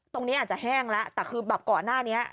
ตรงนี้อาจจะแห้งแล้วแต่คือแบบก่อนหน้านี้